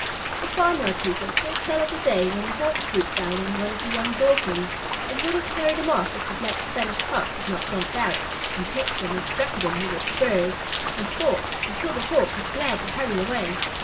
The farmyard people still tell of the day when a Hawk swooped down on one of the young Dorkings and would have carried him off if the Black Spanish Cock had not jumped out, and pecked him and struck at him with his spurs, and fought, until the Hawk was glad to hurry away.